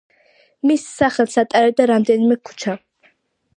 მის სახელს ატარებდა რამდენიმე ქუჩა.